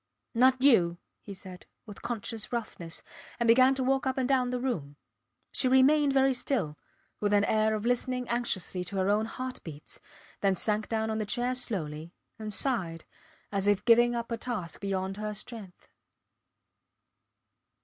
Not you, he said, with conscious roughness, and began to walk up and down the room. She remained very still with an air of listening anxiously to her own heart beats, then sank down on the chair slowly, and sighed, as if giving up a task beyond her strength.